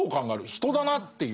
人だなっていう。